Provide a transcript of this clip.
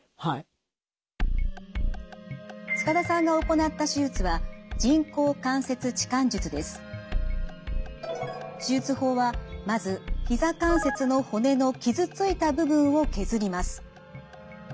塚田さんが行った手術は手術法はまずひざ関節の骨の傷ついた部分を削ります。